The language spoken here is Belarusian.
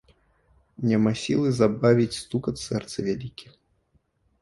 Няма сілы забавіць стукат сэрца вялікі.